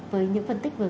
với những phân tích vừa rồi